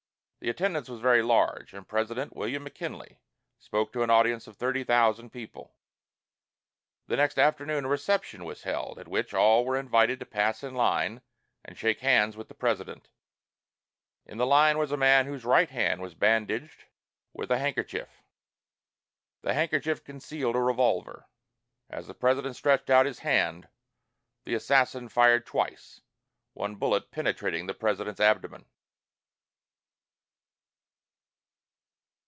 The attendance was very large, and President William McKinley spoke to an audience of thirty thousand people. The next afternoon a reception was held, at which all were invited to pass in line and shake hands with the President. In the line was a man whose right hand was bandaged with a handkerchief. The handkerchief concealed a revolver. As the President stretched out his hand, the assassin fired twice, one bullet penetrating the President's abdomen.